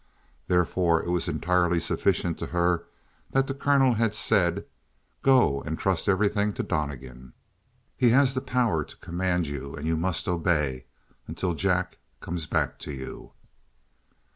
Therefore, it was entirely sufficient to her that the colonel had said: "Go, and trust everything to Donnegan. He has the power to command you and you must obey until Jack comes back to you."